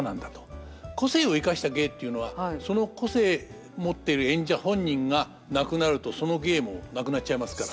個性をいかした芸っていうのはその個性もってる演者本人が亡くなるとその芸もなくなっちゃいますから。